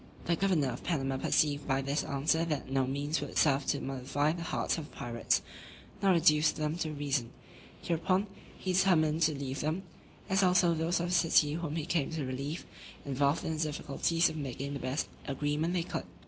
The governor of Panama perceived by this answer that no means would serve to mollify the hearts of the pirates, nor reduce them to reason: hereupon, he determined to leave them, as also those of the city whom he came to relieve, involved in the difficulties of making the best agreement they could.